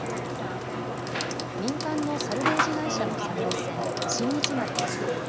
民間のサルベージ会社の作業船、新日丸です。